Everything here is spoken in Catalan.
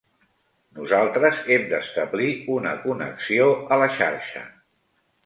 Nosaltres hem d'establir una connexió a la xarxa.